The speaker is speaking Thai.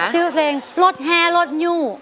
ชื่อเพลงรถแหรถนิ้ว